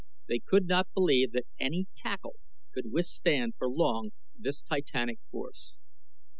They could not believe that any tackle could withstand for long this Titanic force.